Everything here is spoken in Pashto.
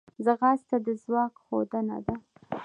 ځغاسته د ځواک ښودنه ده